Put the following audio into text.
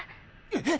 えっ。